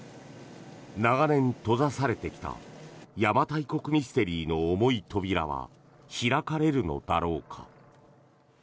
長年閉ざされてきた邪馬台国ミステリーの重い扉は開かれるのだろうか。